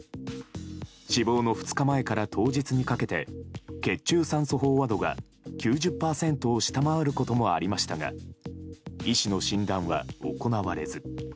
死亡の２日前から当日にかけて血中酸素飽和度が９０％を下回ることもありましたが医師の診断は行われず。